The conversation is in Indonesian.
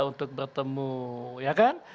untuk bertemu ya kan